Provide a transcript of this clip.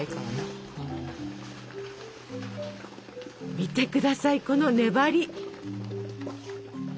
見て下さいこの粘り！